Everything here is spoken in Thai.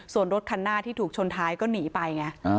ส่วนรถคันหน้าที่ถูกชนท้ายก็หนีไปไง